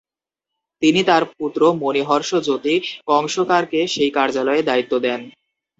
তিনি তার পুত্র মনিহর্ষ জ্যোতি কংসকারকে সেই কার্যালয়ে দায়িত্ব দেন।